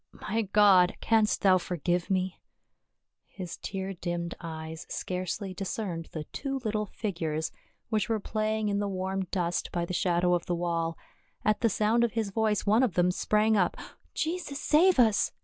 " My God ! Canst thou forgive me ?" His tear dimmed eyes scarcely discerned the two little figures which were playing in the warm dust by the shadow of the wall. At the sound of his voice one of them sprang up. "Jesus save us